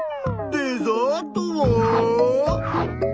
デザートは？